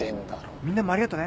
みんなもありがとね！